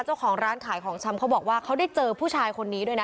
เจ้าของร้านขายของชำเขาบอกว่าเขาได้เจอผู้ชายคนนี้ด้วยนะ